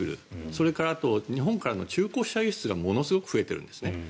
それから、あと日本からの中古車輸出がものすごく増えているんですね。